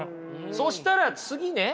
そしたら次ね